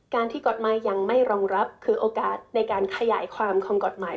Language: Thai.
ที่กฎหมายยังไม่รองรับคือโอกาสในการขยายความของกฎหมาย